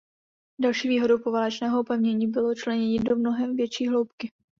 Další výhodou poválečného opevnění bylo členění do mnohem větší hloubky.